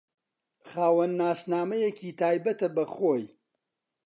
خاوەنی ناسنامەیەکی تایبەتە بە خۆی